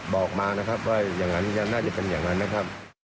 บอกมานะครับว่าน่าจะเป็นอย่างนั้นนะครับ